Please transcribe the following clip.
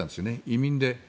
移民で。